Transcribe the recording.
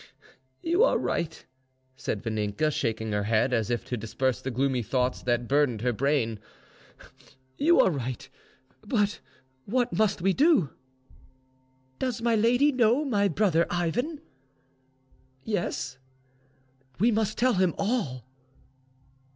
"You are right," said Vaninka, shaking her head, as if to disperse the gloomy thoughts that burdened her brain,—"you are right, but what must we do?" "Does my lady know my brother Ivan?" "Yes." "We must tell him all."